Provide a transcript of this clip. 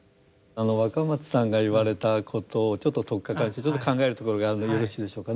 若松さんが言われたことをちょっと取っかかりとしてちょっと考えるところがあるんでよろしいでしょうかね。